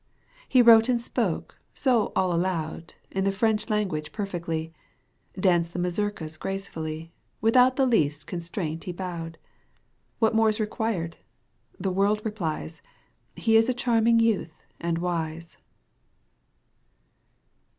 He wrote and spoke, so all allowed. In the French language perfectly, Danced the mazurka gracefully. Without the least constraint he bowed. What more's required ? The world replies. He is a charming youth and wise.